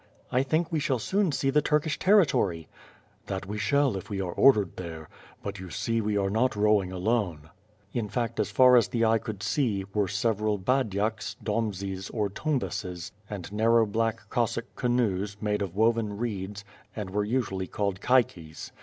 "I think we shall soon see the Turkish territory." "That we shall if we are ordered there. But you see we are not rowing alone." In fact as far as the eye could see, were several baydaks, dombzes, or tumbases,' and narrow black Cossack canoes, made of woven reeds, and were usually called caiques.